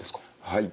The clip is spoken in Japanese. はい。